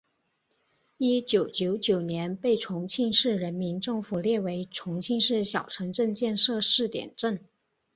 一九九九年被重庆市人民政府列为重庆市小城镇建设试点镇。